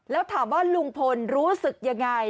แล้วถามว่าลุงพลรู้สึกยังไง